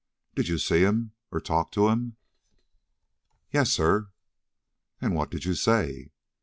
Did you see him or talk to him?" "Yes, sir." "And what did you say?"